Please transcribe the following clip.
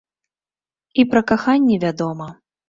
І пра каханне, вядома.